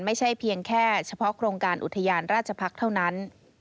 ไม่ใช่เพียงแค่เฉพาะโครงการอุทยานราชพักษ์เท่านั้น